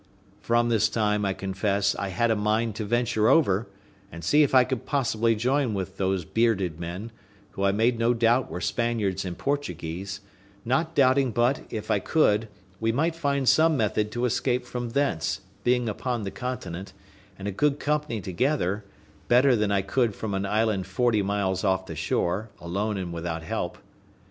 From this time, I confess, I had a mind to venture over, and see if I could possibly join with those bearded men, who I made no doubt were Spaniards and Portuguese; not doubting but, if I could, we might find some method to escape from thence, being upon the continent, and a good company together, better than I could from an island forty miles off the shore, alone and without help.